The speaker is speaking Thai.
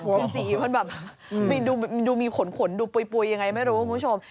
คือสิมันแบบดูมีขนขนดูปุ๋ยอย่างไรไม่รู้คุณผู้ชม